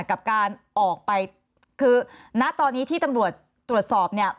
กับการออกไปคือณตอนนี้ที่ตำรวจตรวจสอบเนี่ย